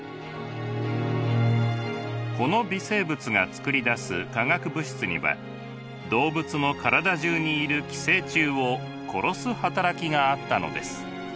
この微生物が作り出す化学物質には動物の体中にいる寄生虫を殺す働きがあったのです。